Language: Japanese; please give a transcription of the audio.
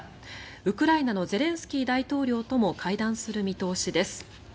ウクライナのゼレンスキー大統領とも会談する見通しです。